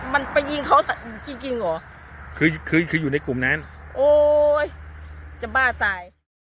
มันไปยิงเขาจริงจริงเหรอคือคืออยู่ในกลุ่มนั้นโอ๊ยจะบ้าตาย